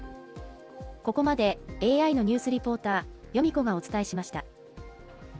ここまで、ＡＩのニュースリポーター、ヨミ子がお伝えしました。